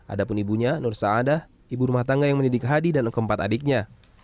ada pun ibunya nur saadah ⁇ ibu rumah tangga yang mendidik hadi dan keempat adiknya